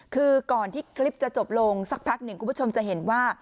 คือก่อนที่คลิปจะจบลงสักพักหนึ่งคุณผู้ชมจะเห็นว่า